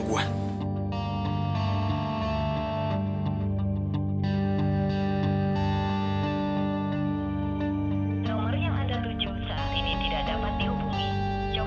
nomor yang anda rujuk saat ini tidak dapat dihubungi